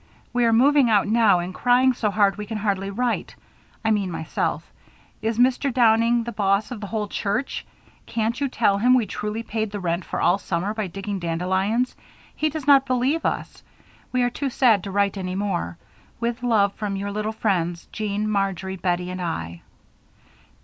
We are moving out now and crying so hard we can hardly write. I mean myself. Is Mr. Downing the boss of the whole church. Cant you tell him we truly paid the rent for all summer by digging dandelions. He does not believe us. We are too sad to write any more with love from your little friends "JEAN MARJORY BETTIE AND I.